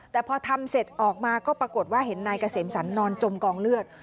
แต่พอทำเสร็จออกมาก็ปรากฏว่าเห็นนายเกษมสรรนอนจมกองเลือด